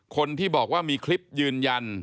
คนที่บอกว่ามีคลิปยืนยัน